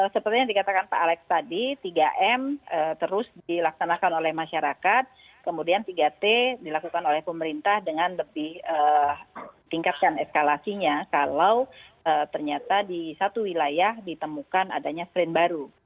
seperti yang dikatakan pak alex tadi tiga m terus dilaksanakan oleh masyarakat kemudian tiga t dilakukan oleh pemerintah dengan lebih tingkatkan eskalasinya kalau ternyata di satu wilayah ditemukan adanya strain baru